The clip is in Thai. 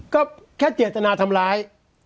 ก็แค่เจตนาทำร้าย